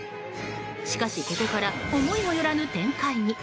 しかし、ここから思いもよらぬ展開に。